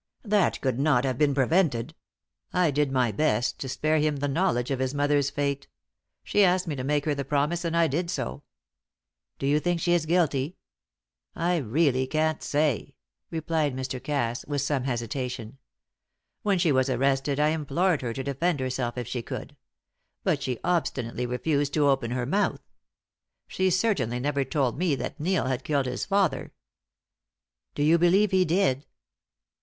"That could not have been prevented. I did my best to spare him the knowledge of his mother's fate. She asked me to make her the promise, and I did so. "Do you think she is guilty? "I really can't say," replied Mr. Cass with some hesitation. "When she was arrested I implored her to defend herself if she could. But she obstinately refused to open her mouth. She certainly never told me that Neil had killed his father." "Do you believe he did?"